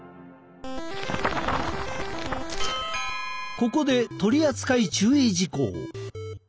ここで取り扱い注意事項！